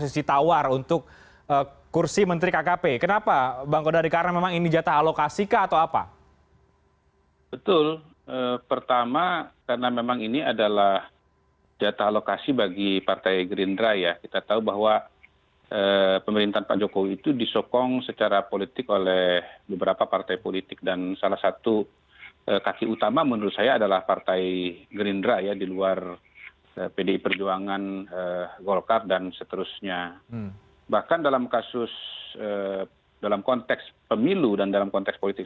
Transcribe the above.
adaw deixar kita ruleway verglerosai sedek flashing saar acceleratednya banyak banyak yang menyebut pakpancoktv ini balik gue gatau deh makhluk pacar beposager group ngak dua ribu empat ratus dua clouds with oxygen per feb dua ribu dua puluh ok